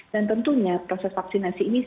dan tentunya proses vaksinasi ini sangat penting